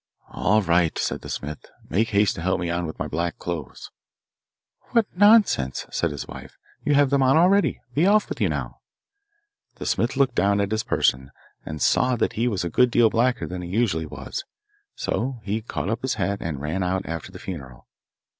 'All right,' said the smith, 'make haste to help me on with my black clothes.' 'What nonsense!' said his wife, 'you have them on already. Be off with you now.' The smith looked down at his person and saw that he was a good deal blacker than he usually was, so he caught up his hat and ran out after the funeral.